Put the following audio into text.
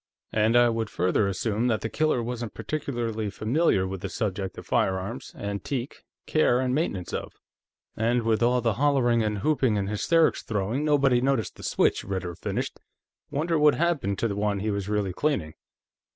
And I would further assume that the killer wasn't particularly familiar with the subject of firearms, antique, care and maintenance of." "And with all the hollering and whooping and hysterics throwing, nobody noticed the switch," Ritter finished. "Wonder what happened to the one he was really cleaning."